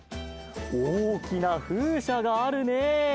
おおきなふうしゃがあるねえ。